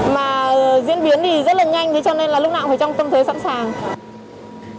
mà diễn biến rất là nhanh cho nên lúc nào cũng phải trong tâm thế sẵn sàng